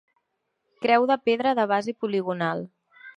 Creu de pedra de base poligonal.